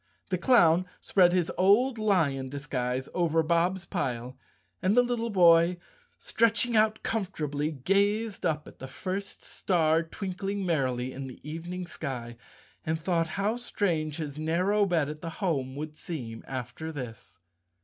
The clown spread his old lion disguise over Bob's pile and the little boy, stretching out com¬ fortably, gazed up at the first star twinkling merrily in the evening sky and thought how strange his narrow bed at the home would seem after this.